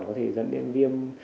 có thể dẫn đến viêm